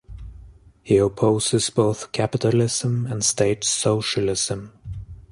He opposes both capitalism and state socialism.